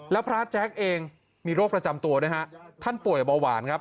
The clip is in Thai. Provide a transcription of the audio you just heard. แล้วพระแจ๊กเองมีโรคประจำตัวด้วยฮะท่านป่วยเบาหวานครับ